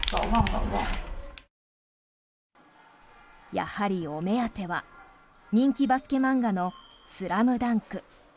やはりお目当ては人気バスケ漫画の「ＳＬＡＭＤＵＮＫ」。